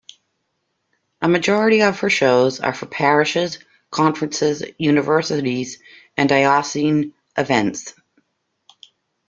A majority of her shows are for Parishes, Conferences, Universities and Diocesan Events.